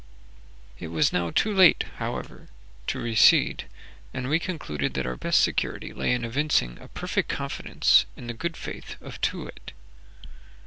It was now too late, however, to recede, and we concluded that our best security lay in evincing a perfect confidence in the good faith of Too wit.